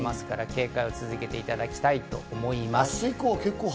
警戒を続けていただきたいと思います。